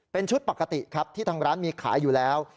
เป็นชุดปกติครับที่ทางร้านมีขายอยู่แล้ว